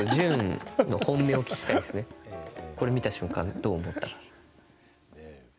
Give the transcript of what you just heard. これ見た瞬間どう思ったか。